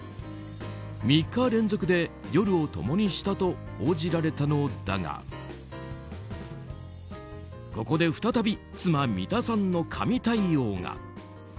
３日連続で夜を共にしたと報じられたのだがここで再び妻・三田さんの神対応が。